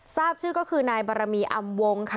ทราบชื่อก็คือนายบารมีอำวงค่ะ